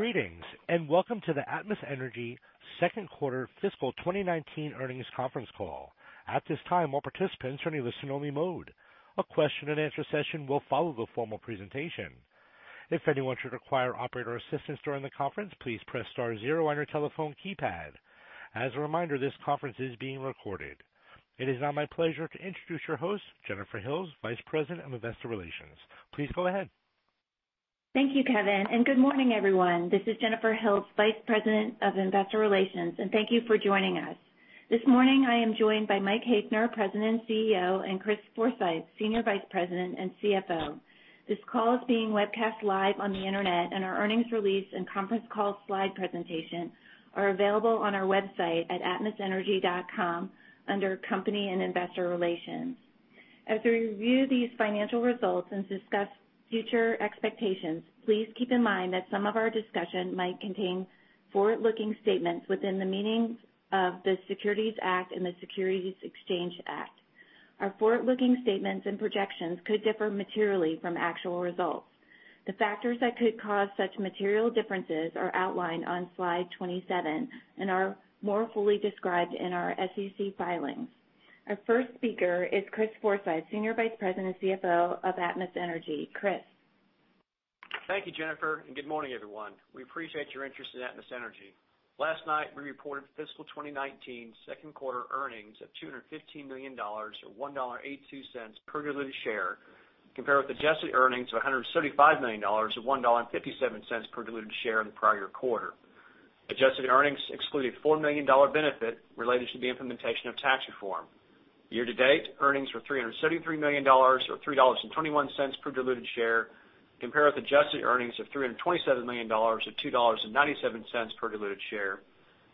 Greetings, welcome to the Atmos Energy second quarter fiscal 2019 earnings conference call. At this time, all participants are in listen-only mode. A question and answer session will follow the formal presentation. If anyone should require operator assistance during the conference, please press star 0 on your telephone keypad. As a reminder, this conference is being recorded. It is now my pleasure to introduce your host, Jennifer Hills, Vice President of Investor Relations. Please go ahead. Thank you, Kevin. Good morning, everyone. This is Jennifer Hills, Vice President of Investor Relations. Thank you for joining us. This morning, I am joined by Mike Haefner, President and Chief Executive Officer, and Chris Forsythe, Senior Vice President and Chief Financial Officer. This call is being webcast live on the internet, and our earnings release and conference call slide presentation are available on our website at atmosenergy.com under Company and Investor Relations. As we review these financial results and discuss future expectations, please keep in mind that some of our discussion might contain forward-looking statements within the meanings of the Securities Act and the Securities Exchange Act. Our forward-looking statements and projections could differ materially from actual results. The factors that could cause such material differences are outlined on slide 27 and are more fully described in our SEC filings. Our first speaker is Chris Forsythe, Senior Vice President and Chief Financial Officer of Atmos Energy. Chris. Thank you, Jennifer. Good morning, everyone. We appreciate your interest in Atmos Energy. Last night, we reported fiscal 2019 second quarter earnings of $215 million, or $1.82 per diluted share, compared with adjusted earnings of $175 million or $1.57 per diluted share in the prior quarter. Adjusted earnings excluded a $4 million benefit related to the implementation of tax reform. Year-to-date, earnings were $373 million, or $3.21 per diluted share, compared with adjusted earnings of $327 million or $2.97 per diluted share,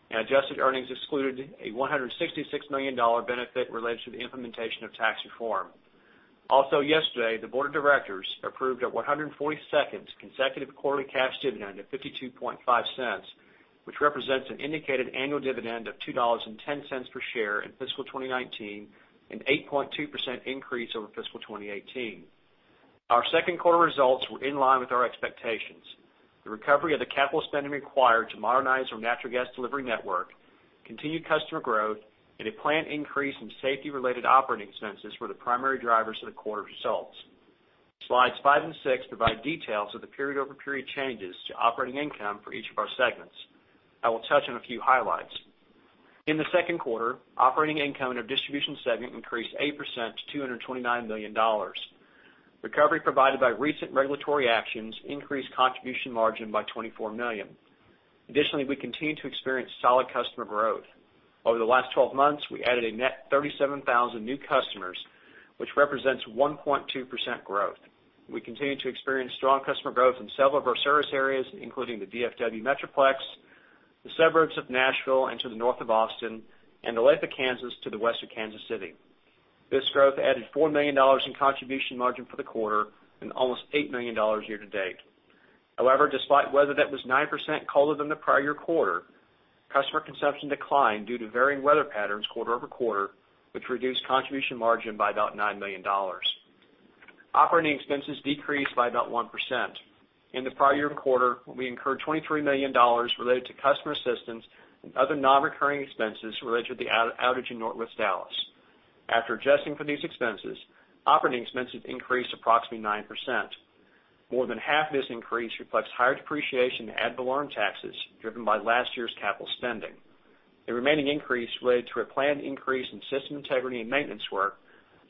and adjusted earnings excluded a $166 million benefit related to the implementation of tax reform. Also yesterday, the board of directors approved our 142nd consecutive quarterly cash dividend of $0.525, which represents an indicated annual dividend of $2.10 per share in fiscal 2019, an 8.2% increase over fiscal 2018. Our second quarter results were in line with our expectations. The recovery of the capital spending required to modernize our natural gas delivery network, continued customer growth, and a planned increase in safety-related operating expenses were the primary drivers of the quarter results. Slides five and six provide details of the period-over-period changes to operating income for each of our segments. I will touch on a few highlights. In the second quarter, operating income in our distribution segment increased 8% to $229 million. Recovery provided by recent regulatory actions increased contribution margin by $24 million. Additionally, we continued to experience solid customer growth. Over the last 12 months, we added a net 37,000 new customers, which represents 1.2% growth. We continue to experience strong customer growth in several of our service areas, including the DFW Metroplex, the suburbs of Nashville and to the north of Austin, and Olathe, Kansas to the west of Kansas City. Despite weather that was 9% colder than the prior quarter, customer consumption declined due to varying weather patterns quarter-over-quarter, which reduced contribution margin by about $9 million. Operating expenses decreased by about 1%. In the prior year quarter, we incurred $23 million related to customer assistance and other non-recurring expenses related to the outage in Northwest Dallas. After adjusting for these expenses, operating expenses increased approximately 9%. More than half of this increase reflects higher depreciation and ad valorem taxes driven by last year's capital spending. The remaining increase related to a planned increase in system integrity and maintenance work,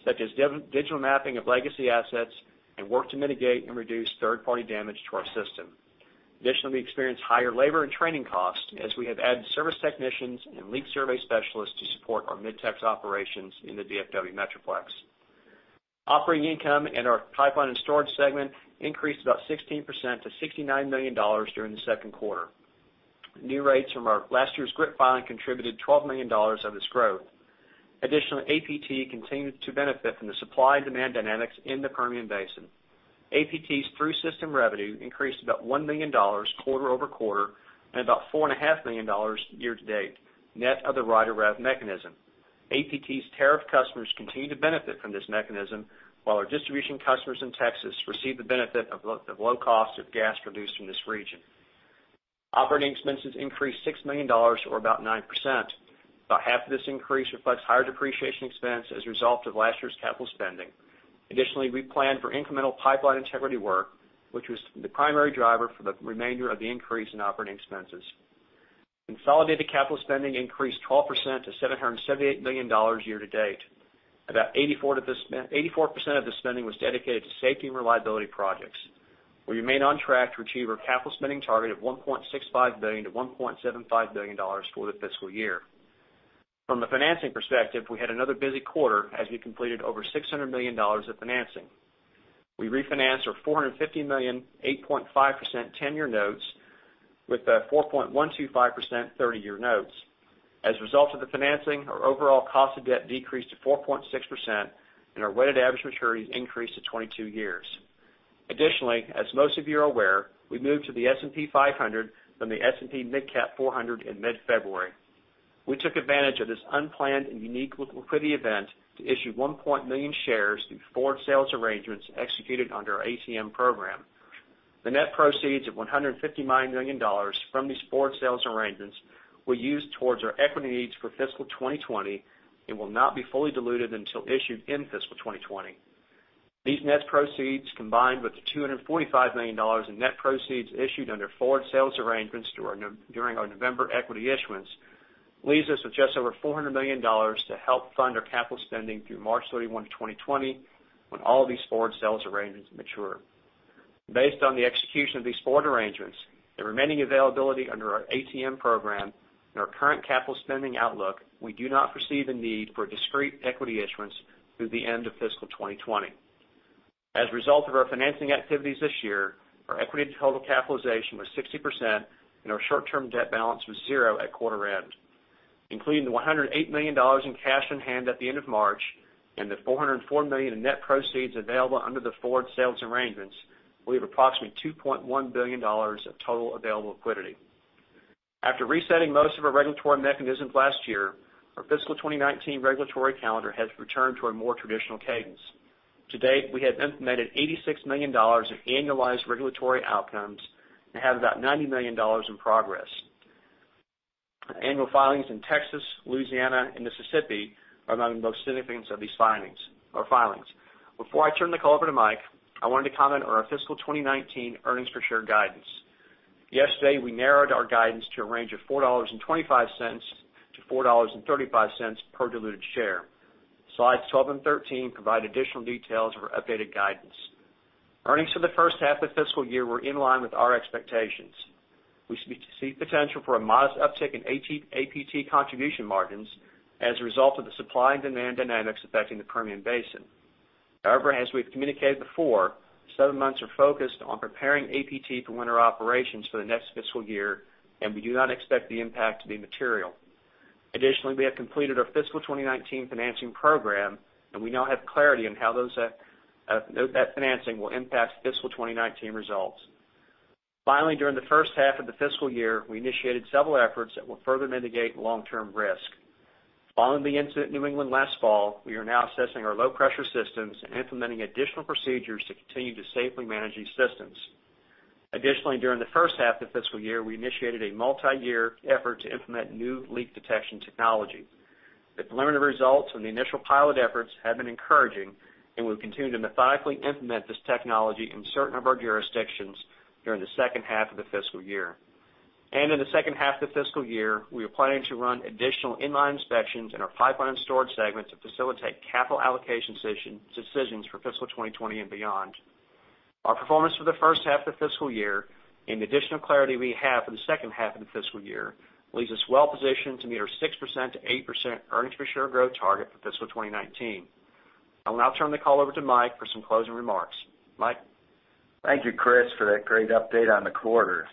such as digital mapping of legacy assets and work to mitigate and reduce third-party damage to our system. Additionally, we experienced higher labor and training costs as we have added service technicians and leak survey specialists to support our Mid-Tex operations in the DFW Metroplex. Operating income in our pipeline and storage segment increased about 16% to $69 million during the second quarter. New rates from our last year's GRIP filing contributed $12 million of this growth. Additionally, APT continued to benefit from the supply and demand dynamics in the Permian Basin. APT's through system revenue increased about $1 million quarter-over-quarter and about $4.5 million year-to-date, net of the Rider REV mechanism. APT's tariff customers continue to benefit from this mechanism while our distribution customers in Texas receive the benefit of low cost of gas produced from this region. Operating expenses increased $6 million or about 9%. About half of this increase reflects higher depreciation expense as a result of last year's capital spending. Additionally, we planned for incremental pipeline integrity work, which was the primary driver for the remainder of the increase in operating expenses. Consolidated capital spending increased 12% to $778 million year-to-date. About 84% of the spending was dedicated to safety and reliability projects. We remain on track to achieve our capital spending target of $1.65 billion-$1.75 billion for the fiscal year. From the financing perspective, we had another busy quarter as we completed over $600 million of financing. We refinanced our $450 million, 8.5% 10-year notes with a 4.125% 30-year note. As a result of the financing, our overall cost of debt decreased to 4.6%, and our weighted average maturities increased to 22 years. Additionally, as most of you are aware, we moved to the S&P 500 from the S&P MidCap 400 in mid-February. We took advantage of this unplanned and unique liquidity event to issue 1.6 million shares through forward sales arrangements executed under our ATM program. The net proceeds of $159 million from these forward sales arrangements were used towards our equity needs for fiscal 2020 and will not be fully diluted until issued in fiscal 2020. These net proceeds, combined with the $245 million in net proceeds issued under forward sales arrangements during our November equity issuance, leaves us with just over $400 million to help fund our capital spending through March 31, 2020, when all of these forward sales arrangements mature. Based on the execution of these forward arrangements, the remaining availability under our ATM program, and our current capital spending outlook, we do not foresee the need for a discrete equity issuance through the end of fiscal 2020. As a result of our financing activities this year, our equity to total capitalization was 60%, and our short-term debt balance was zero at quarter end. Including the $108 million in cash on hand at the end of March and the $404 million in net proceeds available under the forward sales arrangements, we have approximately $2.1 billion of total available liquidity. After resetting most of our regulatory mechanisms last year, our fiscal 2019 regulatory calendar has returned to a more traditional cadence. To date, we have implemented $86 million in annualized regulatory outcomes and have about $90 million in progress. Annual filings in Texas, Louisiana, and Mississippi are among the most significant of these filings. Before I turn the call over to Mike, I wanted to comment on our fiscal 2019 earnings per share guidance. Yesterday, we narrowed our guidance to a range of $4.25 to $4.35 per diluted share. Slides 12 and 13 provide additional details of our updated guidance. Earnings for the first half of the fiscal year were in line with our expectations. We see potential for a modest uptick in APT contribution margins as a result of the supply and demand dynamics affecting the Permian Basin. However, as we've communicated before, the seven months are focused on preparing APT for winter operations for the next fiscal year, and we do not expect the impact to be material. Additionally, we have completed our fiscal 2019 financing program, and we now have clarity on how that financing will impact fiscal 2019 results. Finally, during the first half of the fiscal year, we initiated several efforts that will further mitigate long-term risk. Following the incident in New England last fall, we are now assessing our low-pressure systems and implementing additional procedures to continue to safely manage these systems. Additionally, during the first half of the fiscal year, we initiated a multi-year effort to implement new leak detection technology. The preliminary results from the initial pilot efforts have been encouraging, and we'll continue to methodically implement this technology in certain of our jurisdictions during the second half of the fiscal year. In the second half of the fiscal year, we are planning to run additional in-line inspections in our pipeline storage segment to facilitate capital allocation decisions for fiscal 2020 and beyond. Our performance for the first half of the fiscal year and the additional clarity we have for the second half of the fiscal year leaves us well positioned to meet our 6%-8% earnings per share growth target for fiscal 2019. I will now turn the call over to Mike for some closing remarks. Mike? Thank you, Chris, for that great update on the quarter.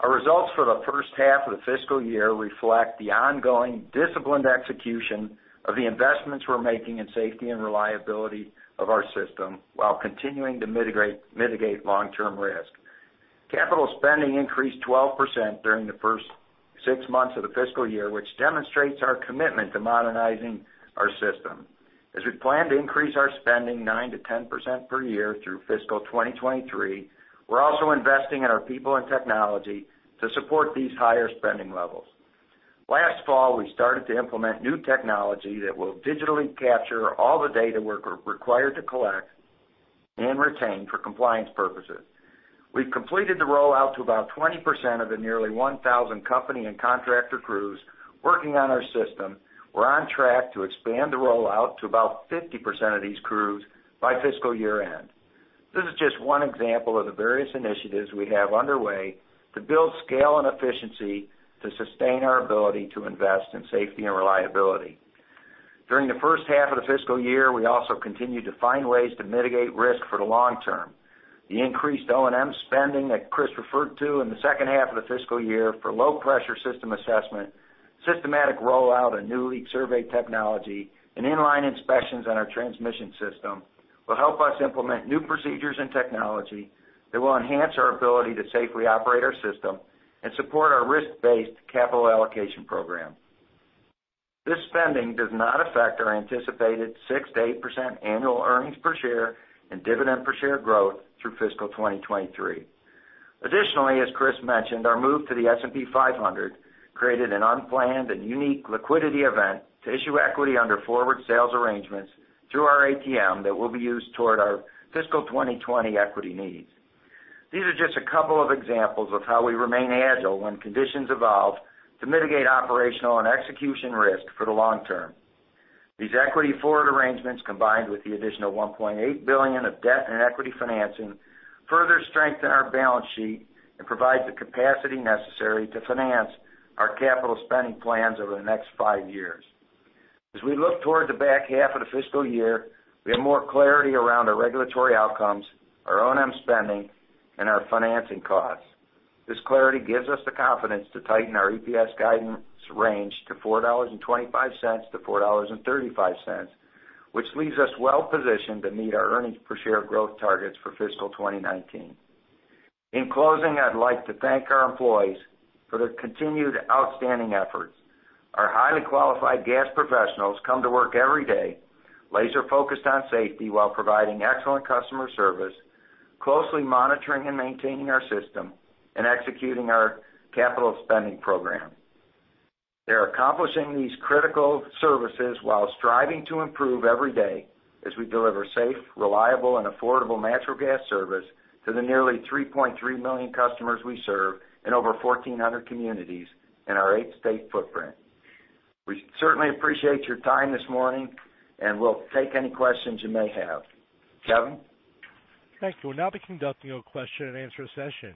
Our results for the first half of the fiscal year reflect the ongoing disciplined execution of the investments we're making in safety and reliability of our system while continuing to mitigate long-term risk. Capital spending increased 12% during the first six months of the fiscal year, which demonstrates our commitment to modernizing our system. As we plan to increase our spending 9%-10% per year through fiscal 2023, we're also investing in our people and technology to support these higher spending levels. Last fall, we started to implement new technology that will digitally capture all the data we're required to collect and retain for compliance purposes. We've completed the rollout to about 20% of the nearly 1,000 company and contractor crews working on our system. We're on track to expand the rollout to about 50% of these crews by fiscal year-end. This is just one example of the various initiatives we have underway to build scale and efficiency to sustain our ability to invest in safety and reliability. During the first half of the fiscal year, we also continued to find ways to mitigate risk for the long term. The increased O&M spending that Chris referred to in the second half of the fiscal year for low-pressure system assessment, systematic rollout of new leak survey technology, and in-line inspections on our transmission system will help us implement new procedures and technology that will enhance our ability to safely operate our system and support our risk-based capital allocation program. This spending does not affect our anticipated 6%-8% annual earnings per share and dividend per share growth through fiscal 2023. As Chris mentioned, our move to the S&P 500 created an unplanned and unique liquidity event to issue equity under forward sales arrangements through our ATM that will be used toward our fiscal 2020 equity needs. These are just a couple of examples of how we remain agile when conditions evolve to mitigate operational and execution risk for the long term. These equity forward arrangements, combined with the additional $1.8 billion of debt and equity financing, further strengthen our balance sheet and provide the capacity necessary to finance our capital spending plans over the next five years. As we look toward the back half of the fiscal year, we have more clarity around our regulatory outcomes, our O&M spending, and our financing costs. This clarity gives us the confidence to tighten our EPS guidance range to $4.25-$4.35, which leaves us well-positioned to meet our earnings per share growth targets for fiscal 2019. In closing, I'd like to thank our employees for their continued outstanding efforts. Our highly qualified gas professionals come to work every day laser-focused on safety while providing excellent customer service, closely monitoring and maintaining our system, and executing our capital spending program. They're accomplishing these critical services while striving to improve every day as we deliver safe, reliable, and affordable natural gas service to the nearly 3.3 million customers we serve in over 1,400 communities in our eight-state footprint. We certainly appreciate your time this morning, and we'll take any questions you may have. Kevin? Thank you. We'll now be conducting a question and answer session.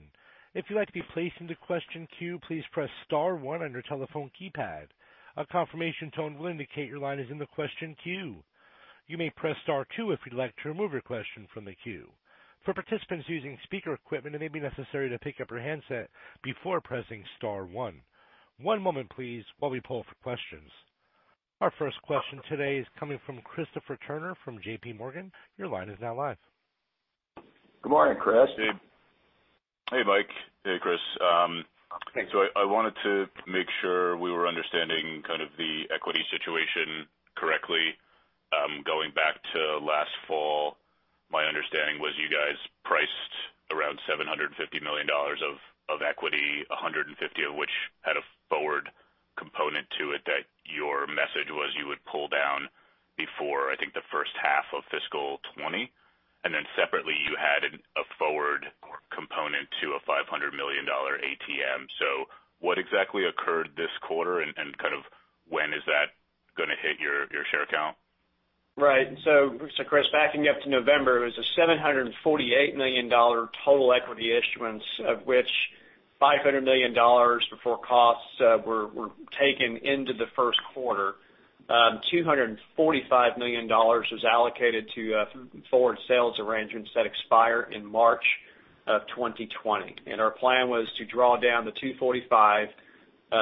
If you'd like to be placed into question queue, please press star one on your telephone keypad. A confirmation tone will indicate your line is in the question queue. You may press star two if you'd like to remove your question from the queue. For participants using speaker equipment, it may be necessary to pick up your handset before pressing star one. One moment please while we poll for questions. Our first question today is coming from Christopher Turnure from JPMorgan. Your line is now live. Good morning, Chris. Hey, Mike. Hey, Chris. Thanks. I wanted to make sure we were understanding kind of the equity situation correctly. Going back to last fall, my understanding was you guys priced around $750 million of equity, $150 million of which had a forward component to it that your message was you would pull down before, I think, the first half of fiscal 2020. Separately, you added a forward component to a $500 million ATM. What exactly occurred this quarter and kind of when is that going to hit your share count? Chris, backing up to November, it was a $748 million total equity issuance of which $500 million before costs were taken into the first quarter. $245 million was allocated to forward sales arrangements that expire in March of 2020. Our plan was to draw down the $245 million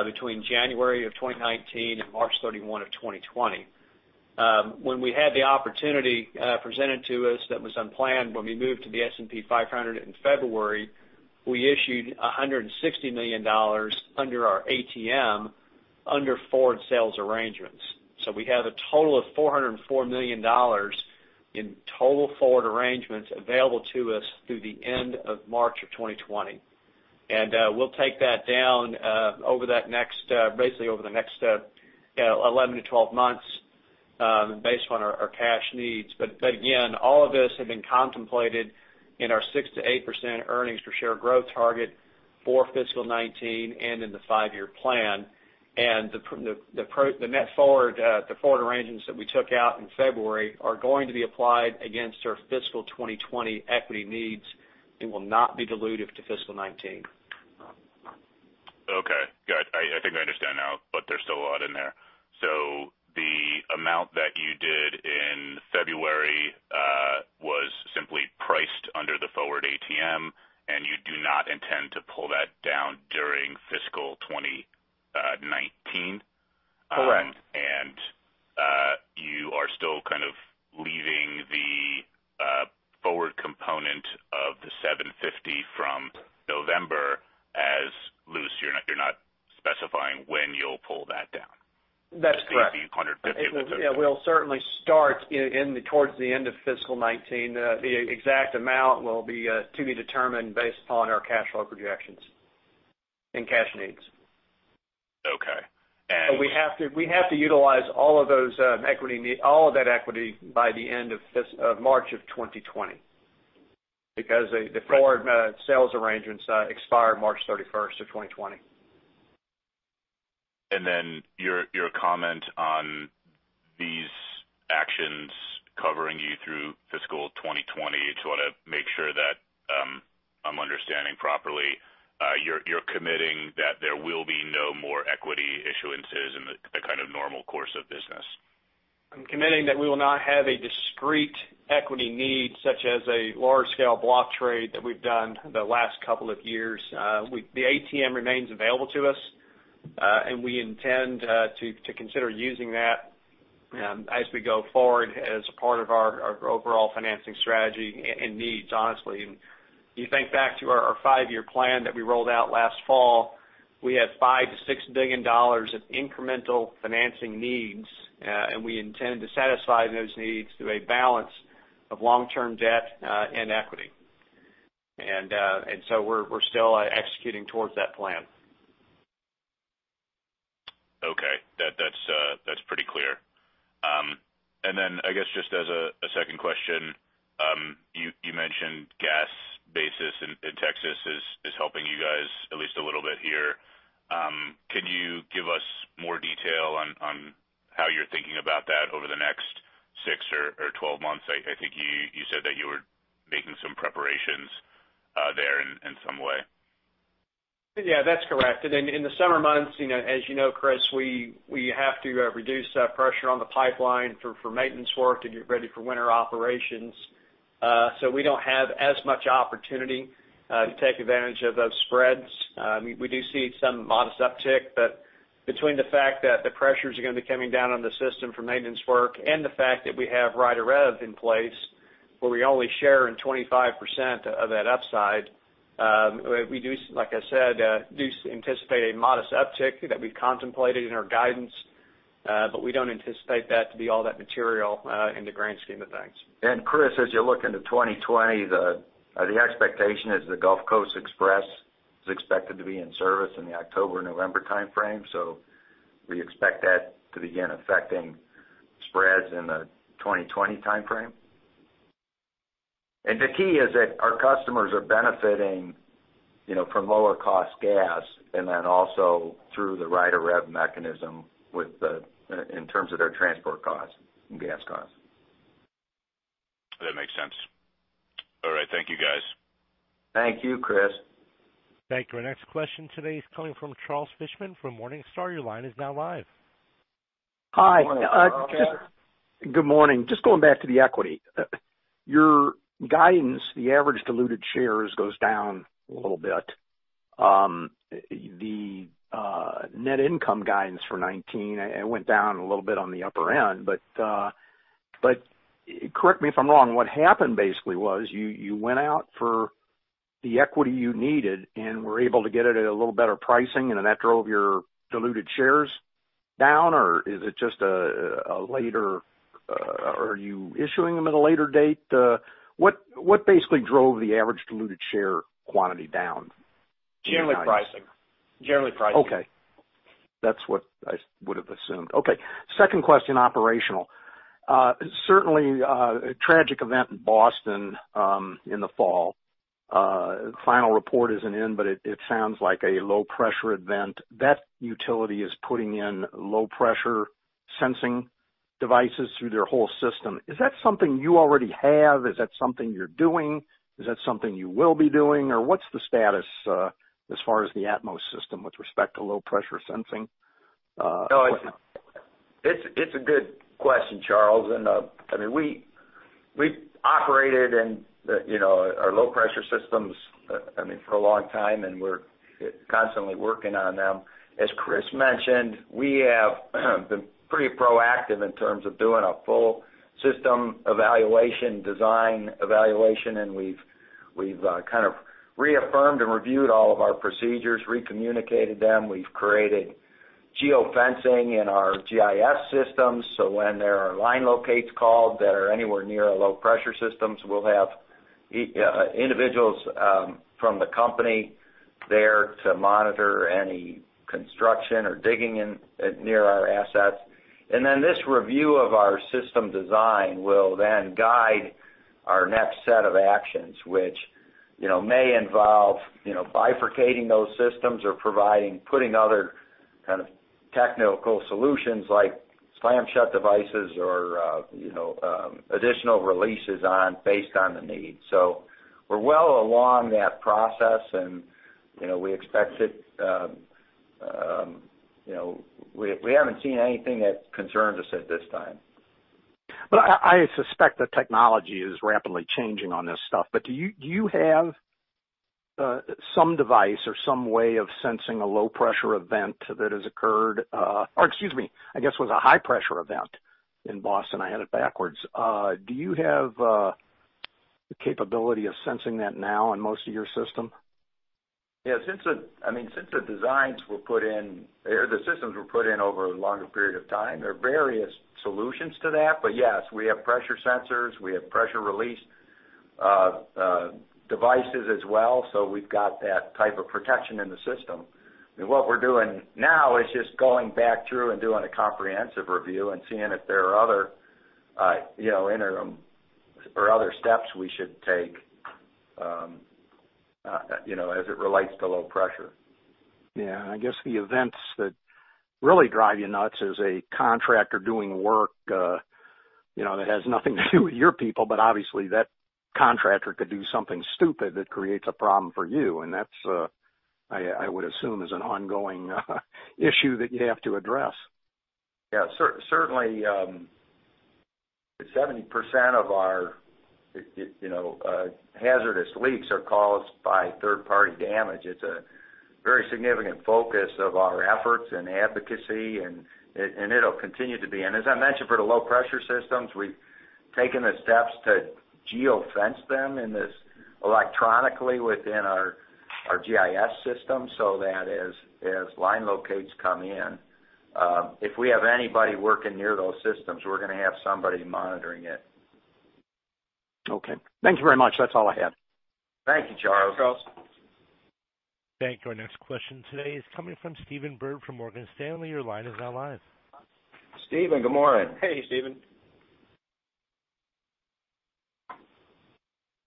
between January of 2019 and March 31 of 2020. When we had the opportunity presented to us that was unplanned when we moved to the S&P 500 in February, we issued $160 million under our ATM under forward sales arrangements. We have a total of $404 million in total forward arrangements available to us through the end of March of 2020. We'll take that down basically over the next 11-12 months based on our cash needs. Again, all of this had been contemplated in our 6%-8% earnings per share growth target for fiscal 2019 and in the five-year plan. The forward arrangements that we took out in February are going to be applied against our fiscal 2020 equity needs and will not be dilutive to fiscal 2019. Okay, good. I think I understand now, but there's still a lot in there. The amount that you did in February was simply priced under the forward ATM, and you do not intend to pull that down during fiscal 2019? Correct. You are still kind of leaving the forward component of the 750 from November as loose? You're not specifying when you'll pull that down? That's correct. The 150- Yeah, we'll certainly start towards the end of fiscal 2019. The exact amount will be to be determined based upon our cash flow projections and cash needs. Okay. We have to utilize all of that equity by the end of March of 2020 because the forward sales arrangements expire March 31st of 2020. Your comment on these actions covering you through fiscal 2020, to sort of make sure that I'm understanding properly, you're committing that there will be no more equity issuances in the kind of normal course of business? I'm committing that we will not have a discrete equity need such as a large-scale block trade that we've done the last couple of years. The ATM remains available to us, we intend to consider using that as we go forward as a part of our overall financing strategy and needs, honestly. You think back to our five-year plan that we rolled out last fall, we had $5 billion-$6 billion of incremental financing needs, and we intend to satisfy those needs through a balance of long-term debt and equity. We're still executing towards that plan. Okay. That's pretty clear. I guess just as a second question, you mentioned gas basis in Texas is helping you guys at least a little bit here. Can you give us more detail on how you're thinking about that over the next six or 12 months? I think you said that you were making some preparations there in some way. Yeah, that's correct. In the summer months, as you know, Chris, we have to reduce pressure on the pipeline for maintenance work to get ready for winter operations. We don't have as much opportunity to take advantage of those spreads. We do see some modest uptick. Between the fact that the pressures are going to be coming down on the system for maintenance work and the fact that we have Rider REV in place, where we only share in 25% of that upside. We do, like I said, anticipate a modest uptick that we've contemplated in our guidance, we don't anticipate that to be all that material in the grand scheme of things. Chris, as you look into 2020, the expectation is the Gulf Coast Express is expected to be in service in the October-November timeframe. We expect that to begin affecting spreads in the 2020 timeframe. The key is that our customers are benefiting from lower-cost gas and then also through the Rider REV mechanism in terms of their transport cost and gas cost. That makes sense. All right. Thank you, guys. Thank you, Chris. Thank you. Our next question today is coming from Charles Fishman from Morningstar. Your line is now live. Hi. Morning, Charles. Good morning. Just going back to the equity. Your guidance, the average diluted shares goes down a little bit. The net income guidance for 2019, it went down a little bit on the upper end. Correct me if I'm wrong, what happened basically was you went out for the equity you needed and were able to get it at a little better pricing and then that drove your diluted shares down? Are you issuing them at a later date? What basically drove the average diluted share quantity down? Generally pricing. Okay. That's what I would've assumed. Okay. Second question, operational. Certainly, a tragic event in Boston in the fall. Final report isn't in, but it sounds like a low-pressure event. That utility is putting in low-pressure sensing devices through their whole system. Is that something you already have? Is that something you're doing? Is that something you will be doing? What's the status as far as the Atmos system with respect to low-pressure sensing? No. It's a good question, Charles. We've operated our low-pressure systems for a long time, and we're constantly working on them. As Chris mentioned, we have been pretty proactive in terms of doing a full system evaluation, design evaluation, and we've kind of reaffirmed and reviewed all of our procedures, re-communicated them. We've created geo-fencing in our GIS systems, so when there are line locates called that are anywhere near our low-pressure systems, we'll have individuals from the company there to monitor any construction or digging near our assets. This review of our system design will then guide our next set of actions, which may involve bifurcating those systems or putting other kind of technical solutions, like slam shut devices or additional releases based on the need. We're well along that process, and we haven't seen anything that concerns us at this time. I suspect the technology is rapidly changing on this stuff. Do you have some device or some way of sensing a low-pressure event that has occurred, or excuse me, I guess it was a high-pressure event in Boston. I had it backwards. Do you have the capability of sensing that now on most of your system? Yeah. Since the systems were put in over a longer period of time, there are various solutions to that. Yes, we have pressure sensors, we have pressure release devices as well. We've got that type of protection in the system. What we're doing now is just going back through and doing a comprehensive review and seeing if there are other interim or other steps we should take as it relates to low pressure. Yeah. I guess the events that really drive you nuts is a contractor doing work that has nothing to do with your people, but obviously that contractor could do something stupid that creates a problem for you. That's, I would assume, is an ongoing issue that you have to address. Yeah. Certainly, 70% of our hazardous leaks are caused by third-party damage. It's a very significant focus of our efforts and advocacy, and it'll continue to be. As I mentioned, for the low-pressure systems, we've taken the steps to geo-fence them electronically within our GIS system. That as line locates come in, if we have anybody working near those systems, we're going to have somebody monitoring it. Okay. Thank you very much. That's all I had. Thank you, Charles. Thank you. Our next question today is coming from Stephen Byrd from Morgan Stanley. Your line is now live. Stephen, good morning. Hey, Stephen.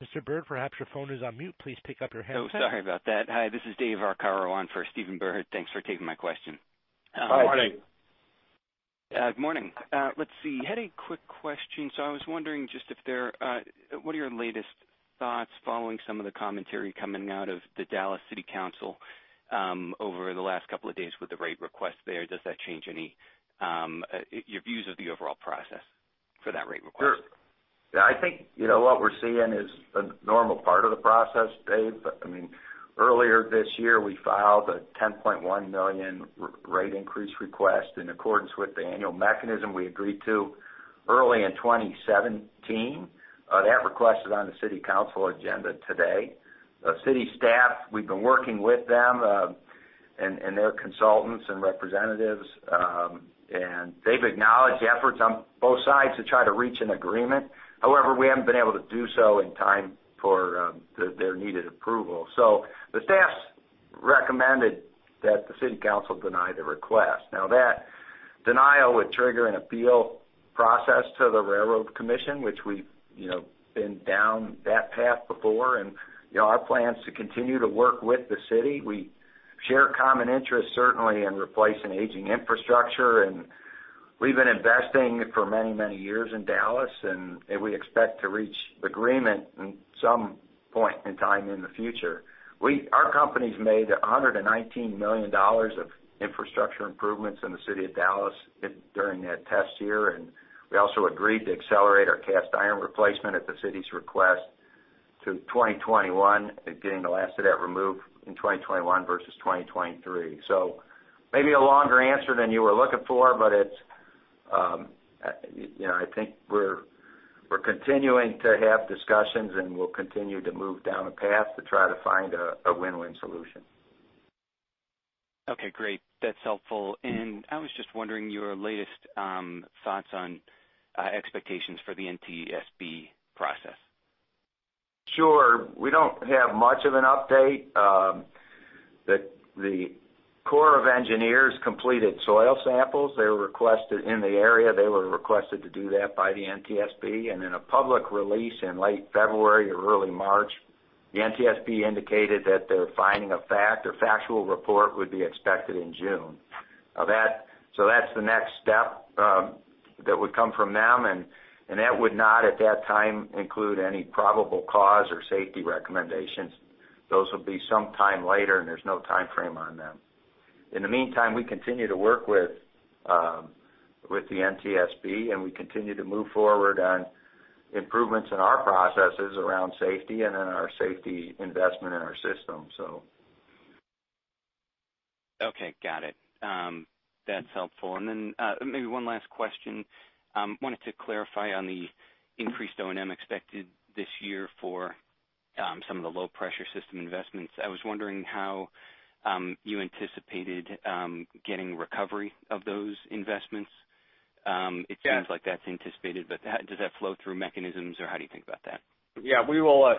Mr. Byrd, perhaps your phone is on mute. Please pick up your handset. Sorry about that. Hi, this is David Arcaro on for Stephen Byrd. Thanks for taking my question. Good morning. Good morning. Let's see. Had a quick question. I was wondering just what are your latest thoughts following some of the commentary coming out of the Dallas City Council over the last couple of days with the rate request there? Does that change your views of the overall process for that rate request? I think what we're seeing is a normal part of the process, Dave. Earlier this year, we filed a $10.1 million rate increase request in accordance with the annual mechanism we agreed to early in 2017. That request is on the city council agenda today. City staff, we've been working with them and their consultants and representatives. They've acknowledged the efforts on both sides to try to reach an agreement. However, we haven't been able to do so in time for their needed approval. The staff's recommended that the city council deny the request. That denial would trigger an appeal process to the Railroad Commission, which we've been down that path before. Our plan is to continue to work with the city. We share common interests, certainly, in replacing aging infrastructure. We've been investing for many years in Dallas. We expect to reach agreement in some point in time in the future. Our company's made $119 million of infrastructure improvements in the city of Dallas during that past year. We also agreed to accelerate our cast iron replacement at the city's request to 2021, getting the last of that removed in 2021 versus 2023. Maybe a longer answer than you were looking for. I think we're continuing to have discussions. We'll continue to move down a path to try to find a win-win solution. Okay, great. That's helpful. I was just wondering your latest thoughts on expectations for the NTSB process. Sure. We don't have much of an update. The Corps of Engineers completed soil samples. They were requested in the area. They were requested to do that by the NTSB. In a public release in late February or early March, the NTSB indicated that their finding of fact or factual report would be expected in June. That's the next step that would come from them, and that would not, at that time, include any probable cause or safety recommendations. Those will be some time later, and there's no timeframe on them. In the meantime, we continue to work with the NTSB, and we continue to move forward on improvements in our processes around safety and in our safety investment in our system. Okay, got it. That's helpful. Maybe one last question. Wanted to clarify on the increased O&M expected this year for some of the low-pressure system investments. I was wondering how you anticipated getting recovery of those investments. Yeah. It seems like that's anticipated, but does that flow through mechanisms, or how do you think about that? Yeah. We will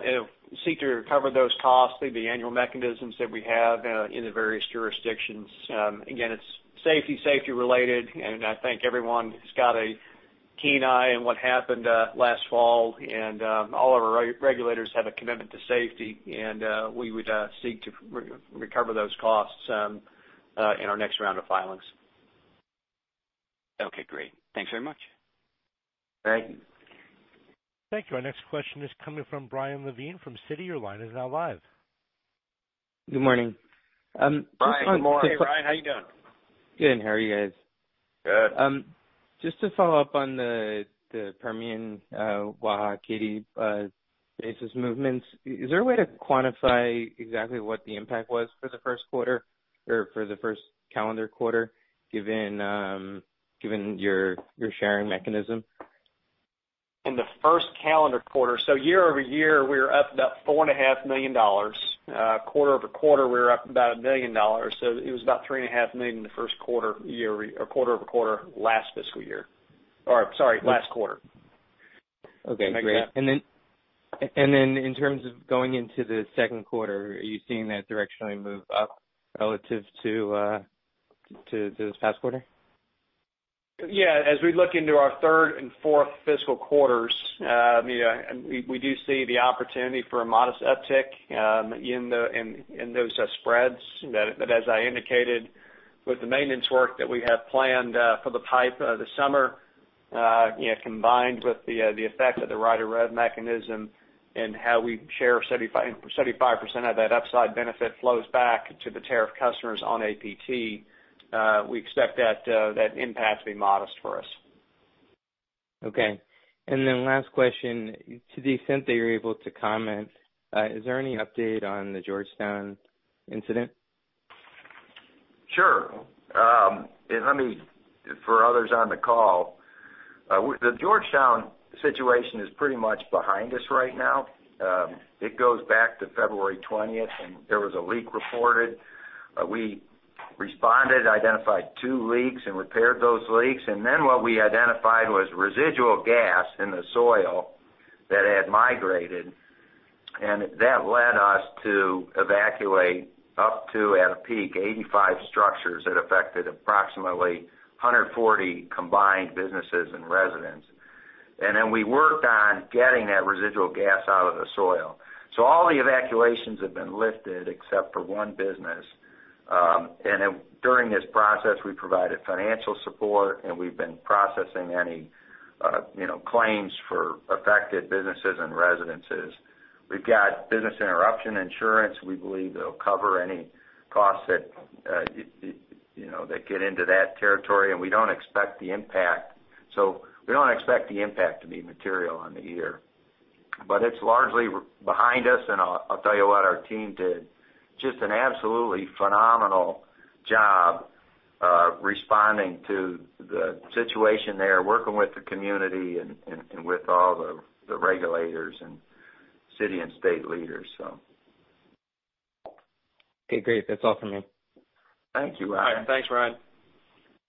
seek to recover those costs through the annual mechanisms that we have in the various jurisdictions. Again, it's safety related, and I think everyone has got a keen eye on what happened last fall. All of our regulators have a commitment to safety, and we would seek to recover those costs in our next round of filings. Okay, great. Thanks very much. All right. Thank you. Our next question is coming from Brian Levine from Citi. Your line is now live. Good morning. Ryan, good morning. Hey, Ryan, how you doing? Good. How are you guys? Good. Just to follow up on the Permian Waha-Katy basis movements, is there a way to quantify exactly what the impact was for the first quarter or for the first calendar quarter, given your sharing mechanism? In the first calendar quarter, year-over-year, we were up about $4.5 million. Quarter-over-quarter, we were up about $1 million. It was about $3.5 million in the first quarter-over-quarter last fiscal year. Sorry, last quarter. Okay. Make sense? In terms of going into the second quarter, are you seeing that directionally move up relative to this past quarter? As we look into our third and fourth fiscal quarters, we do see the opportunity for a modest uptick in those spreads. As I indicated, with the maintenance work that we have planned for the pipe this summer, combined with the effect of the Rider REV mechanism and how we share 75% of that upside benefit flows back to the tariff customers on APT, we expect that impact to be modest for us. Last question. To the extent that you're able to comment, is there any update on the Georgetown incident? Sure. For others on the call, the Georgetown situation is pretty much behind us right now. It goes back to February 20th when there was a leak reported. We responded, identified two leaks, and repaired those leaks. Then what we identified was residual gas in the soil that had migrated, and that led us to evacuate up to, at a peak, 85 structures that affected approximately 140 combined businesses and residents. Then we worked on getting that residual gas out of the soil. All the evacuations have been lifted except for one business. During this process, we provided financial support, and we've been processing any claims for affected businesses and residences. We've got business interruption insurance. We believe it'll cover any costs that get into that territory, and we don't expect the impact to be material on the year. It's largely behind us, and I'll tell you what, our team did just an absolutely phenomenal job responding to the situation there, working with the community and with all the regulators and city and state leaders. Okay, great. That's all for me. Thank you, Ryan. All right. Thanks, Ryan.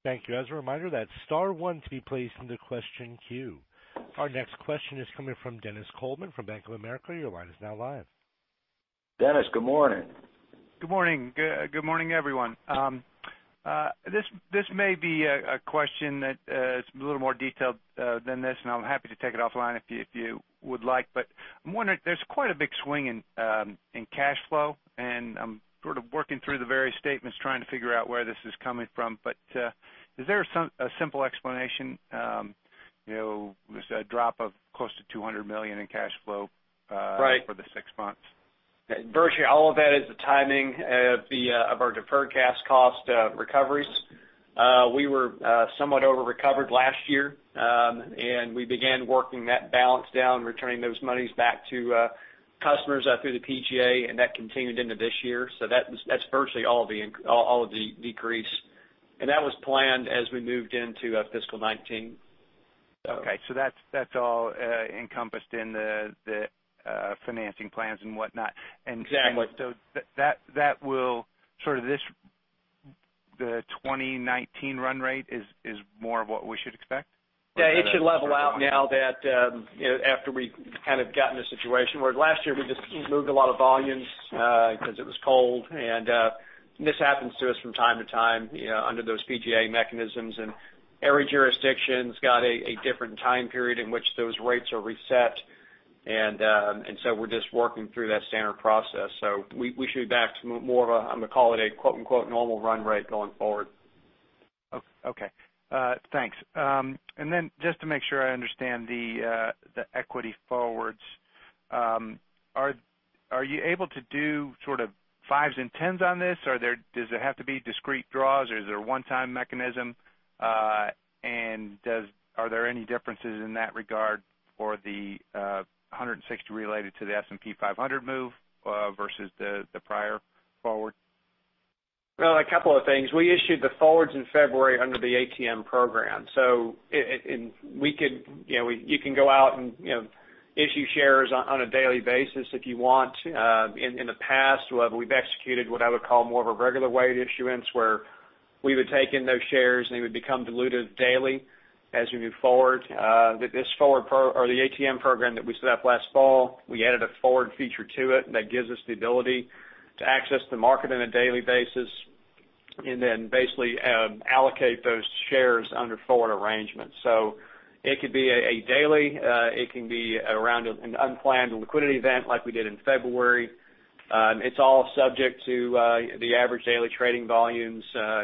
Thank you. As a reminder, that's star one to be placed into question queue. Our next question is coming from Dennis Coleman from Bank of America. Your line is now live. Dennis, good morning. Good morning. Good morning, everyone. This may be a question that is a little more detailed than this, and I'm happy to take it offline if you would like. I'm wondering, there's quite a big swing in cash flow, and I'm sort of working through the various statements trying to figure out where this is coming from. Is there a simple explanation? There's a drop of close to $200 million in cash flow. Right for the six months. Virtually all of that is the timing of our deferred gas cost recoveries. We were somewhat over-recovered last year. We began working that balance down, returning those monies back to customers through the PGA, and that continued into this year. That's virtually all of the decrease. That was planned as we moved into fiscal 2019. Okay, that's all encompassed in the financing plans and whatnot. Exactly. The 2019 run rate is more of what we should expect? Yeah. It should level out now that after we kind of gotten the situation, where last year we just moved a lot of volumes because it was cold. This happens to us from time to time under those PGA mechanisms. Every jurisdiction's got a different time period in which those rates are reset. We're just working through that standard process. We should be back to more of a, I'm going to call it a, quote-unquote, "normal run rate" going forward. Okay. Thanks. Just to make sure I understand the equity forwards. Are you able to do sort of fives and tens on this? Does there have to be discrete draws or is there a one-time mechanism? Are there any differences in that regard for the 160 related to the S&P 500 move versus the prior forward? A couple of things. We issued the forwards in February under the ATM program. You can go out and issue shares on a daily basis if you want. In the past, we've executed what I would call more of a regular weight issuance, where we would take in those shares, they would become diluted daily as we move forward. The ATM program that we set up last fall, we added a forward feature to it that gives us the ability to access the market on a daily basis then basically allocate those shares under forward arrangements. It could be a daily. It can be around an unplanned liquidity event like we did in February. It's all subject to the average daily trading volumes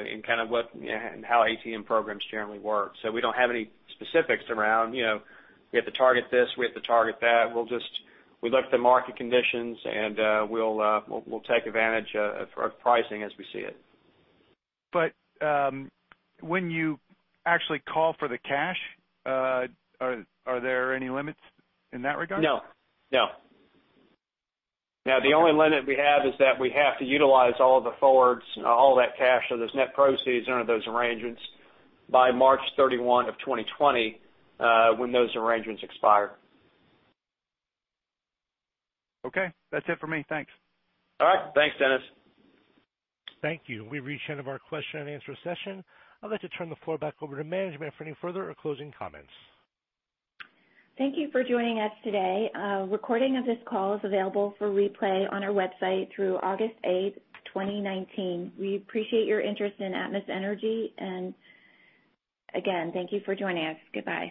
in kind of what and how ATM programs generally work. We don't have any specifics around, we have to target this, we have to target that. We look at the market conditions, we'll take advantage of pricing as we see it. When you actually call for the cash, are there any limits in that regard? No. The only limit we have is that we have to utilize all of the forwards and all that cash. Those net proceeds under those arrangements by March 31 of 2020, when those arrangements expire. Okay. That's it for me. Thanks. All right. Thanks, Dennis. Thank you. We've reached the end of our question and answer session. I'd like to turn the floor back over to management for any further or closing comments. Thank you for joining us today. A recording of this call is available for replay on our website through August 8th, 2019. We appreciate your interest in Atmos Energy, and again, thank you for joining us. Goodbye